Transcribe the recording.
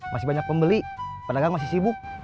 masih banyak pembeli pedagang masih sibuk